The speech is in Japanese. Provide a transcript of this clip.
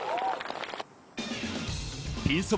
ピンそば